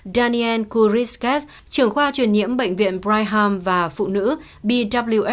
daniel kuriskes trưởng khoa truyền nhiễm bệnh viện brightham và phụ nữ b w